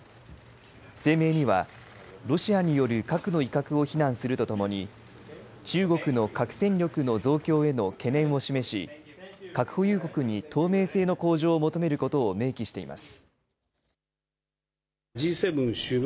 声明にはロシアによる核の威嚇を非難するとともに中国の核戦力の増強への懸念を示し核保有国に透明性の向上を求めることを明記しています。